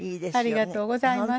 ありがとうございます。